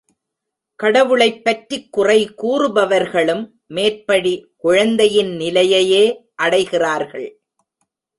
கடவுளைப்பற்றிக் குறைகூறுபவர்களும் மேற்படி குழந்தையின் நிலையையே அடைகிறார்கள்.